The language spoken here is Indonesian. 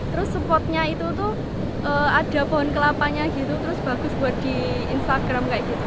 terus spotnya itu ada pohon kelapanya bagus buat di instagram